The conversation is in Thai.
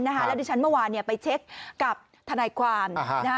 แล้วดิฉันเมื่อวานไปเช็คกับทนายความ